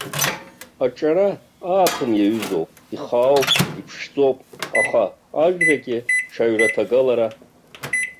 Аҿара ааԥын иаҩызоуп, ихаауп, иԥшӡоуп, аха ажәрагьы ҽаҩраҭагалара.